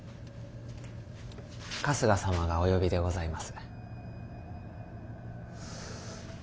春日様がお呼びでございます。